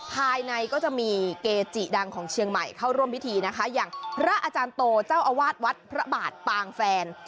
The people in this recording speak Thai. ภายในก็จะมีเกจิดังของเชียงใหม่เข้าร่วมพิธีนะคะอย่างพระอาจารย์โตเจ้าอาวาสวัดพระบาทปางแฟน